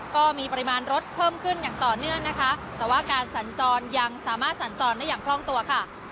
ก็มีปริมาณรถเพิ่มขึ้นอย่างต่อเนื่องนะคะแต่ว่าการสัญจรยังสามารถสัญจรได้อย่างคล่องตัวค่ะ